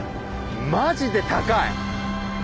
マジで高い！